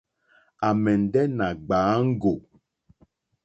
À mɛ̀ndɛ̀ nà gbàáŋgò.